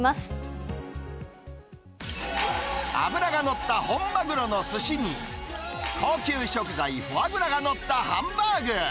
脂が乗った本マグロのすしに、高級食材、フォアグラが載ったハンバーグ。